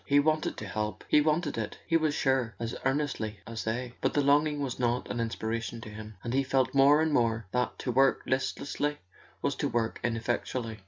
He wanted to help, he wanted it, he was sure, as earnestly as they; but the longing was not an inspiration to him, and he felt more and more that to work listlessly was to work ineffectually.